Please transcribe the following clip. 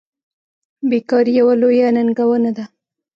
بیکاري یوه لویه ننګونه ده.